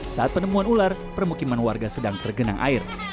saat penemuan ular permukiman warga sedang tergenang air